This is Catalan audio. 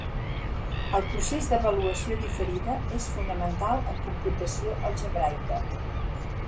El procés d'avaluació diferida és fonamental en computació algebraica.